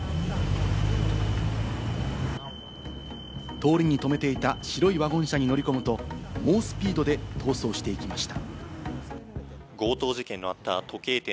通りに止めていた白いワゴン車に乗り込むと、猛スピードで逃走していきました。